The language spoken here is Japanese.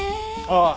ああ